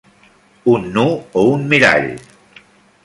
Un nu o un mirall.